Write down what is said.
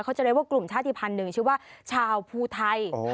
จะเรียกว่ากลุ่มชาติภัณฑ์หนึ่งชื่อว่าชาวภูไทย